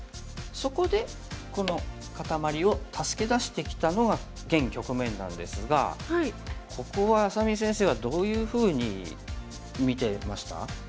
そこでこの固まりを助け出してきたのが現局面なんですがここは愛咲美先生はどういうふうに見てました？